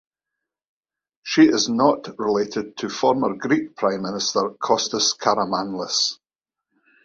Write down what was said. She is not related to former Greek Prime Minister Kostas Karamanlis.